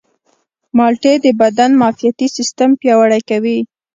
مالټې د بدن معافیتي سیستم پیاوړی کوي.